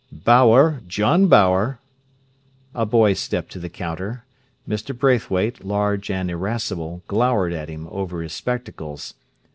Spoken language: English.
"Bower—John Bower." A boy stepped to the counter. Mr. Braithwaite, large and irascible, glowered at him over his spectacles.